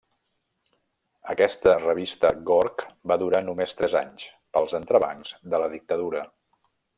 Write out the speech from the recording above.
Aquesta revista Gorg va durar només tres anys, pels entrebancs de la dictadura.